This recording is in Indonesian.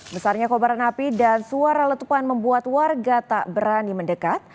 besarnya kobaran api dan suara letupan membuat warga tak berani mendekat